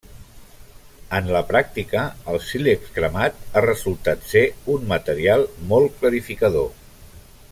En la pràctica, el sílex cremat ha resultat ser un material molt clarificador.